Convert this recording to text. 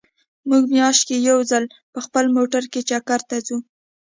مونږ مياشت کې يو ځل په خپل موټر کې چکر ته ځو